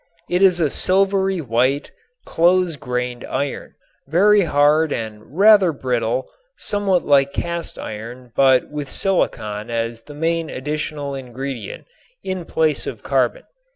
It is a silvery white close grained iron, very hard and rather brittle, somewhat like cast iron but with silicon as the main additional ingredient in place of carbon.